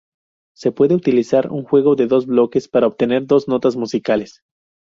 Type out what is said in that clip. Se puede utilizar un juego de dos bloques para obtener dos notas musicales.